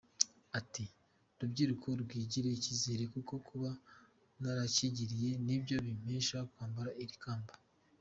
Ati “Rubyiruko mwigirire icyizere kuko kuba naracyigiriye nibyo bimpesha kwambara iri kamba.